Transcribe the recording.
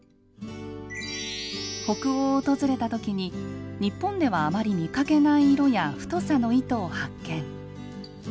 北欧を訪れたときに日本ではあまり見かけない色や太さの糸を発見。